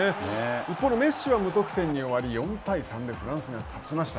一方のメッシは無得点に終わり４対３でフランスが勝ちました。